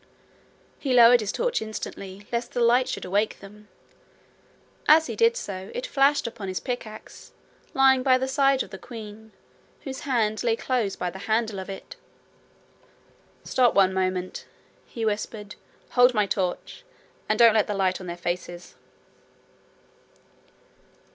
He lowered his torch instantly lest the light should awake them. As he did so it flashed upon his pickaxe, lying by the side of the queen, whose hand lay close by the handle of it. 'Stop one moment,' he whispered. 'Hold my torch, and don't let the light on their faces.'